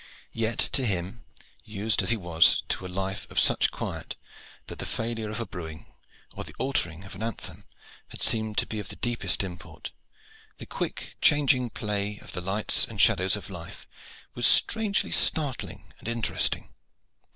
Yet to him, used as he was to a life of such quiet that the failure of a brewing or the altering of an anthem had seemed to be of the deepest import, the quick changing play of the lights and shadows of life was strangely startling and interesting.